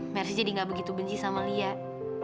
mercy jadi gak begitu benci sama lia